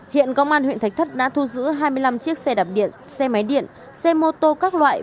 hiện công an huyện thạch thất đã thu giữ hai mươi năm chiếc xe đạp điện xe máy điện xe mô tô các loại